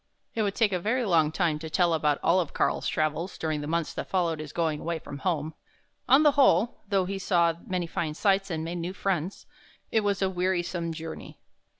It would take a very long time to tell about all of Karl's travels, during the months that followed his 5 2 THE HUNT FOR THE BEAUTIFUL going away from home. On the whole, though he saw many fine sights and made new friends, it was a wearisome journey.